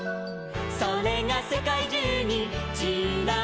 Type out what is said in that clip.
「それがせかいじゅうにちらばって」